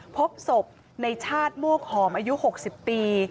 พบศพในชาติมวกหอมอายุ๖๐ปี